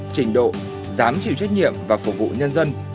trình độ dám chịu trách nhiệm và phục vụ nhân dân